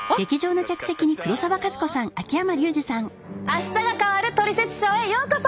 「あしたが変わるトリセツショー」へようこそ！